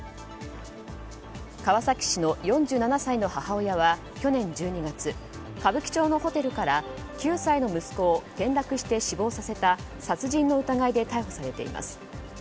川崎市の４７歳の母親は去年１２月歌舞伎町のホテルから９歳の息子を転落させて死亡させた殺人の疑いで逮捕されています。